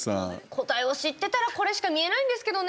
答えを知ってたらこれしか見えないんですけどね。